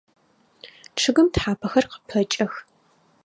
Чъыгым тхьапэхэр къыпэкӏэх.